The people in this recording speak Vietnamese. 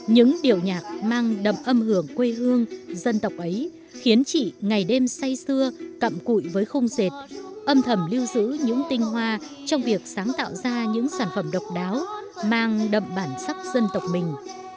những điệu nhạc mang đậm âm hưởng quê hương dân tộc ấy khiến chị ngày đêm say xưa cặm cụi với khung dệt âm thầm lưu giữ những tinh hoa trong việc sáng tạo ra những sản phẩm độc đáo mang đậm bản sắc dân tộc mình